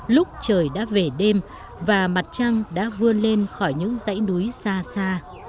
lúc trời đã về đêm và mặt trăng đã vươn lên khỏi những dãy núi xa xa